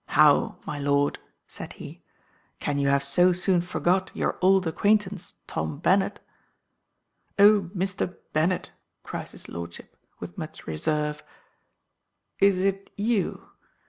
How! my lord, said he, can you have so soon forgot your old acquaintance Tom Bennet? O, Mr. Bennet! cries his lordship, with much reserve, is it you?